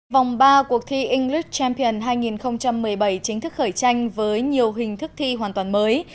vòng ba cuộc thi english champion hai nghìn một mươi bảy chính thức khởi tranh với nhiều hình thức thi hoàn toàn mới